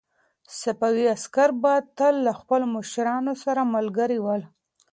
صفوي عسکر به تل له خپلو مشرانو سره ملګري ول.